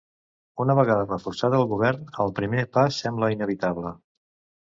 Una vegada reforçat el govern, el primer pas sembla inevitable.